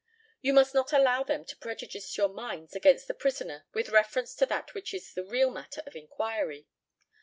You must not allow them to prejudice your minds against the prisoner with reference to that which is the real matter of inquiry.